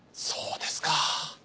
そうですか。